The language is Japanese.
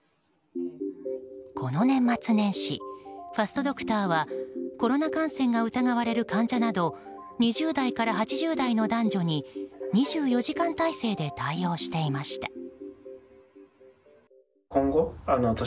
この年末年始ファストドクターはコロナ感染が疑われる患者など２０代から８０代の男女に２４時間態勢で対応していました。